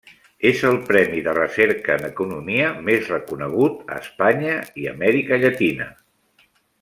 És el premi de recerca en economia més reconegut a Espanya i Amèrica Llatina.